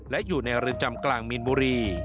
และอยู่ในเรือนจำกลางมีนบุรี